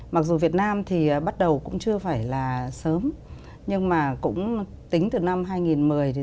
mặc dù việt nam thì bắt đầu cũng chưa phải là sớm nhưng mà cũng tính từ năm hai nghìn một mươi đến giờ thì cái tốc độ và cái sự tích cực để phát triển